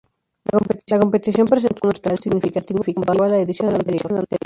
La competición presentó un aspecto cultural significativo comparó a la edición anterior.